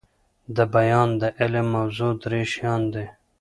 دبیان د علم موضوع درې شيان دي.